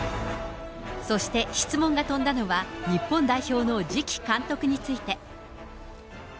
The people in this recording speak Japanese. そして、質問が飛んだのは、日本代表の次期監督について。